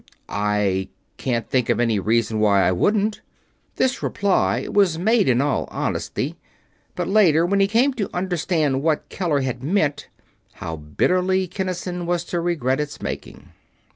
"I can't think of any reason why I wouldn't." This reply was made in all honesty; but later, when he came to understand what Keller had meant, how bitterly Kinnison was to regret its making!